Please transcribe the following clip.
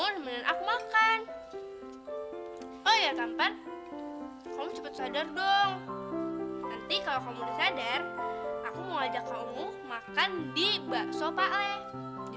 cepet sadar dong nanti kalau kamu sadar aku mau ajak kamu makan di bakso pakle di